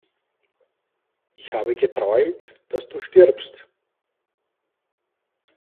Ich habe geträumt, dass du stirbst!